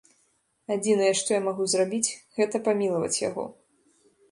Адзінае, што я магу зрабіць, гэта памілаваць яго.